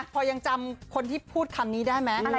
พอยังจำคนที่พูดคำนี้ได้ไหม